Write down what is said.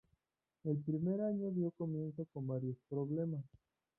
El primer año dio comienzo con varios problemas.